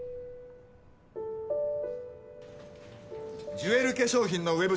ジュエル化粧品のウェブ